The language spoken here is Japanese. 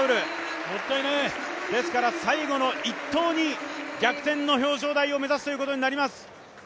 最後の１投に、逆転の表彰台を目指すということになります。